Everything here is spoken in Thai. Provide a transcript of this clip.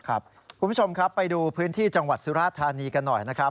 คุณผู้ชมครับไปดูพื้นที่จังหวัดสุราธานีกันหน่อยนะครับ